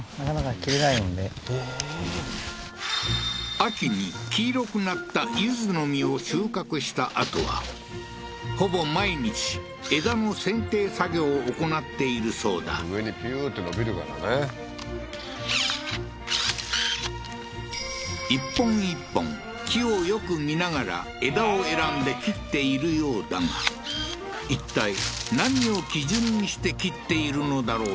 秋に黄色くなった柚子の実を収穫したあとはほぼ毎日枝の剪定作業を行っているそうだ上にピューッて伸びるからね１本１本木をよく見ながら枝を選んで切っているようだがいったい何を基準にして切っているのだろう？